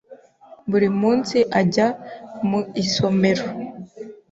Buri munsi ajya mu isomero.